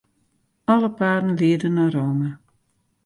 Alle paden liede nei Rome.